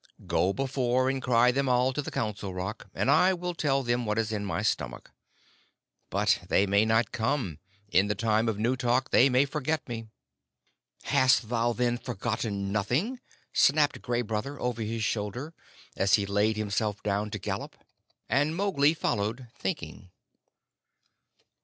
Go before and cry them all to the Council Rock, and I will tell them what is in my stomach. But they may not come in the Time of New Talk they may forget me." "Hast thou, then, forgotten nothing?" snapped Gray Brother over his shoulder, as he laid himself down to gallop, and Mowgli followed, thinking.